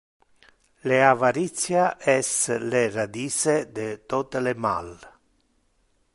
Le avaritia es le radice de tote le mal.